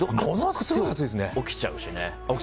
起きちゃうしね。